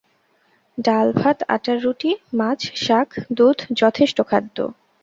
ভাত, ডাল, আটার রুটি, মাছ, শাক, দুধ যথেষ্ট খাদ্য।